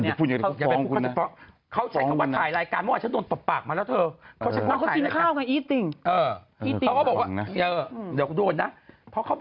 ผมอย่าพูดอย่างเดียวกันครูพร้อง